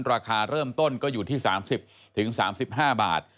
ราคาเริ่มต้นก็อยู่ที่๓๐๓๕บาท